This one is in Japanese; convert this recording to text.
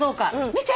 見て。